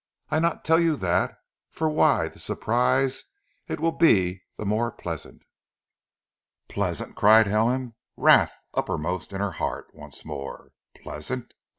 "I not tell you dat, for why, zee surprise it veel be zee more pleasant!" "Pleasant!" cried Helen, wrath uppermost in her heart once more. "Pleasant!